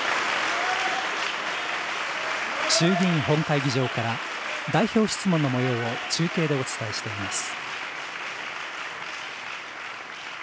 衆議院本会議場から、代表質問のもようを中継でお伝えしています。